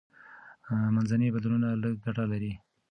منځني بدلونونه لږه ګټه لري.